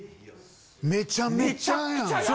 めちゃめちゃやん。